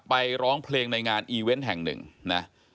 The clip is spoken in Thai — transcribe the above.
ร้องเพลงในงานอีเวนต์แห่งหนึ่งนะ